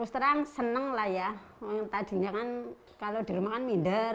ust terang senang lah ya yang tadinya kan kalau di rumah kan minder